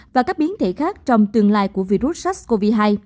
và các biến thể khác trong tương lai của virus sars cov hai